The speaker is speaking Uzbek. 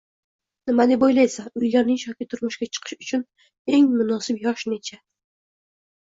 Nima deb o‘ylaysan, uylanish yoki turmushga chiqish uchun eng munosib yosh necha?